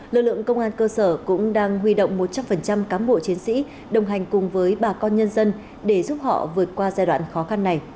lực lượng công an cơ sở cũng đang huy động một trăm linh cán bộ chiến sĩ đồng hành cùng với bà con nhân dân để giúp họ vượt qua giai đoạn khó khăn này